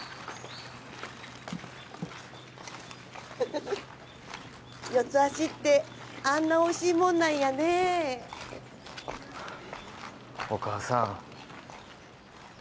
ふふふッ四つ足ってあんなおいしいもんなんやねえお母さん